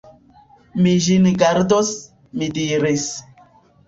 Mi ĝin gardos, mi diris.